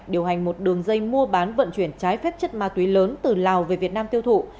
điều hành một đường dây mua bán vận chuyển trái phép chất ma túy lớn từ lào về việt nam tiêu thụ